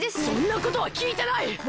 そんなことはきいてない！